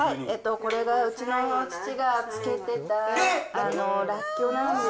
これが、うちの父が漬けてたらっきょうなんですよ。